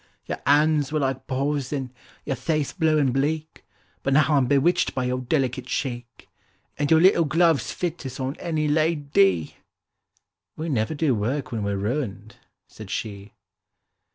—"Your hands were like paws then, your face blue and bleak, But now I'm bewitched by your delicate cheek, And your little gloves fit as on any la dy!"— "We never do work when we're ruined," said she.